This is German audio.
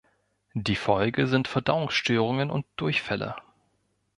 Die Folge sind Verdauungsstörungen und Durchfälle.